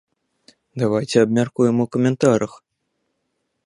Давайце абмяркуем у каментарах!